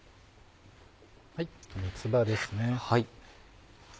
三つ葉ですね。